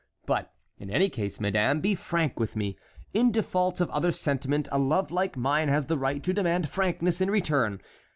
But in any case, madame, be frank with me. In default of other sentiment, a love like mine has the right to demand frankness in return.